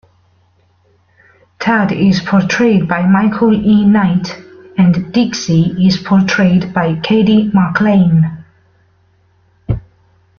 Tad is portrayed by Michael E. Knight, and Dixie is portrayed by Cady McClain.